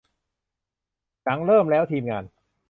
หนังเริ่มแล้ว ทีมงาน